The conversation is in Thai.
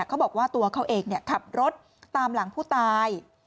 เขาบอกว่าตัวเขาเองขับรถตามหลังผู้ตาย